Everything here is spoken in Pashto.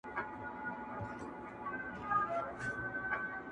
ویل ځه مخته دي ښه سلا مُلاجانه.!